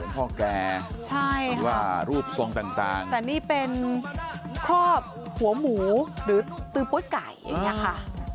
เป็นพ่อแก่ใช่ค่ะหรือว่ารูปส่วนต่างต่างแต่นี่เป็นครอบหัวหมูหรือตื้อป๊วยไก่อย่างเงี้ยค่ะ